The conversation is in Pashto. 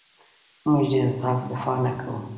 موږ د انصاف دفاع نه کوو.